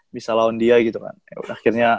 bisa lawan dia gitu kan akhirnya